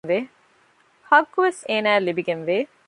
ޙައްޤުވެސް އޭނާއަށް ލިބިގެންވޭ